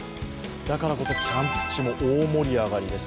だからこそキャンプ地も大盛り上がりです。